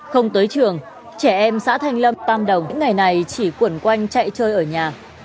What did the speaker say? không tới trường trẻ em xã thanh lâm tam đồng những ngày này chỉ quẩn quanh chạy chơi ở nhà